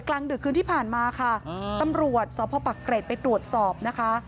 กลางดึกคืนที่ผ่านมาค่ะตำรวจสพปักเกร็ดไปตรวจสอบนะคะ